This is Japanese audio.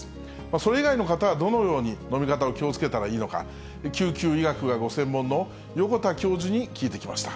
それ以外の方はどのように飲み方を気をつけたらいいのか、救急医学がご専門の横田教授に聞いてきました。